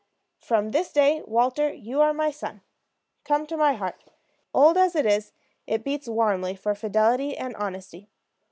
From this day, Walter, you are my son. Come to my heart. Old as it is, it beats warmly for fidelity and honesty.